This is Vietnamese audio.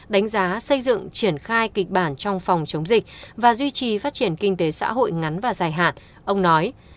đánh giá xây dựng triển khai kịch bản trong phòng chống dịch và duy trì phát triển kinh tế xã hội ngắn và dài hạn ông nói